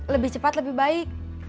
lebih cepat lebih baik